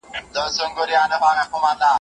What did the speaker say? ایا کورني سوداګر تور ممیز صادروي؟